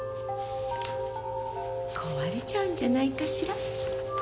壊れちゃうんじゃないかしら？